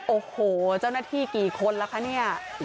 โอ้โหเจ้าหน้าที่กี่คนแล้วคะเนี่ย